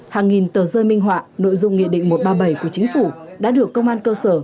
hàng nghìn tờ rơi minh họa nội dung nghị định một trăm ba mươi bảy của chính phủ đã được công an cơ sở